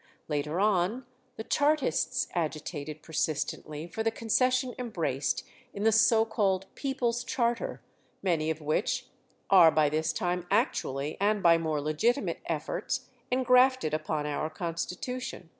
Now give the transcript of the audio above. Later on, the Chartists agitated persistently for the concession embraced in the so called People's Charter, many of which are by this time actually, and by more legitimate efforts, engrafted upon our Constitution.